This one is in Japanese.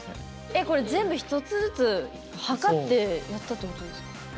えこれ全部１つずつ測ってやったってことですか？